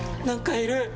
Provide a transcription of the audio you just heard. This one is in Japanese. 何かいる！